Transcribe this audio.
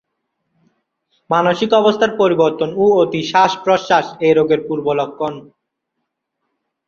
মানসিক অবস্থার পরিবর্তন ও অতি শ্বাস-প্রশ্বাস এই রোগের পূর্ব লক্ষণ।